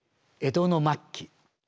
江戸の末期。